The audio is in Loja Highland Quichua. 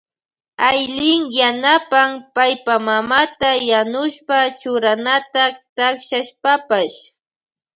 Aylin yanapan paypa mamata yanushpa churanata takshashpapash.